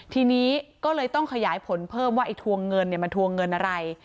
ทีนี้ก็เลยต้องขยายผลเพิ่มว่าไอ้ทวงเงินมันทวงเงินอะไร